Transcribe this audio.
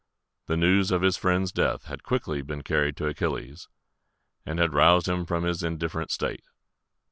The news of his friend's death had quickly been carried to Achilles, and had roused him from his indifferent state.